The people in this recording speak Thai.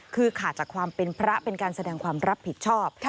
คือขาดจากความเป็นพระเป็นการแสดงความรับผิดชอบ